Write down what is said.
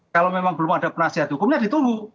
kalau memang belum ada penasihat hukumnya ditunggu